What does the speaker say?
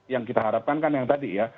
yang kita harapkan kan yang tadi ya